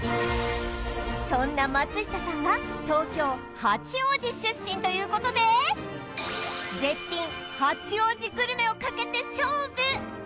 そんな松下さんは東京・八王子出身ということで絶品八王子グルメをかけて勝負！